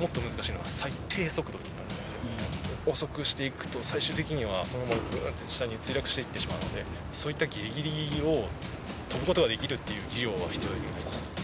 もっと難しいのは、最低速度になるんですけど、遅くしていくと、最終的にはその後、ぶわーっと墜落していってしまうんで、そういったぎりぎりを飛ぶことができるという技量が必要だと思います。